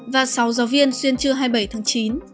và sáu giáo viên xuyên trưa hai mươi bảy tháng chín